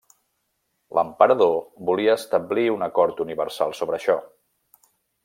L'emperador volia establir un acord universal sobre això.